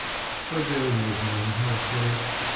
But there was no help for it!